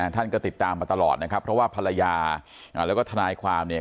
ท่านก็ติดตามมาตลอดนะครับเพราะว่าภรรยาแล้วก็ทนายความเนี่ย